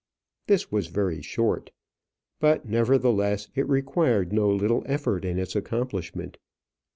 This was very short; but, nevertheless, it required no little effort in its accomplishment.